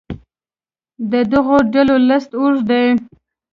د دغو ډلو لست اوږد دی.